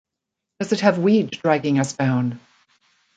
Does it have weed dragging us down?